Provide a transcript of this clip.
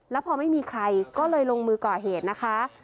แล้วพอไม่มีใครก็เลยลงมือก่อเหตุนะคะ